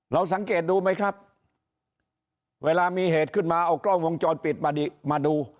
สังเกตดูไหมครับเวลามีเหตุขึ้นมาเอากล้องวงจรปิดมาดู